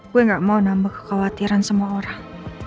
gue gak mau nambah kekhawatiran semua orang